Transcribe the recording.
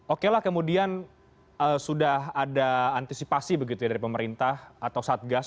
oke lah kemudian sudah ada antisipasi begitu ya dari pemerintah atau satgas